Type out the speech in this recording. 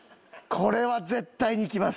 これは絶対にいきます！